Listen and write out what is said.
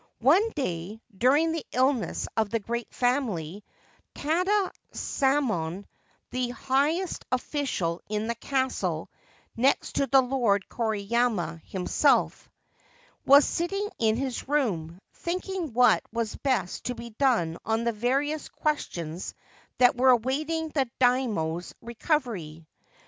One day, during the illness of this great family, Tada Samon, the highest official in the castle (next to the Lord Koriyama himself), was sitting in his room, thinking what was best to be done on the various questions that were awaiting the Daimio's recovery.